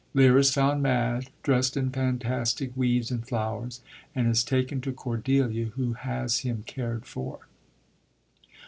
Lear is found mad, dressed in fantastic weeds and flowers, and is taken to Cordelia, who has him cared for.